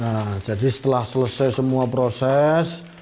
nah jadi setelah selesai semua proses